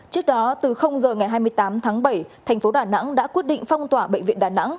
trước đó từ giờ ngày hai mươi tám tháng bảy thành phố đà nẵng đã quyết định phong tỏa bệnh viện đà nẵng